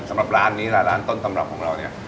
สำหรับร้านนี้ล่ะร้านต้นตำรับของเราเนี่ย